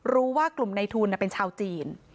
รู้ว่ากลุ่มในทุนเป็นชาวจีน